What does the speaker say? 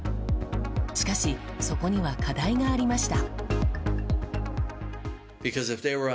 しかし、そこには課題がありました。